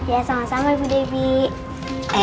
ya sama sama ibu debbie